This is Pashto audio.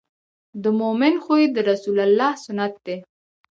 د مؤمن خوی د رسول الله سنت دی.